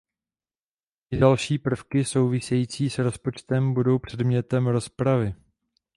I další prvky související s rozpočtem budou předmětem rozpravy.